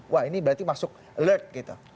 wah ini berarti masuk alert gitu